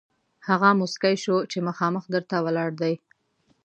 هغه موسکی شو چې مخامخ در ته ولاړ دی.